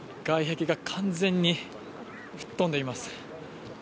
外壁が完全に吹っ飛んでいます。